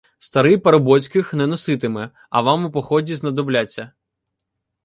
Старий парубоцьких не носитиме, а вам у поході знадобляться.